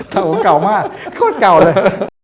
ถ้าผมเก่ามากโคตรเก่าเลย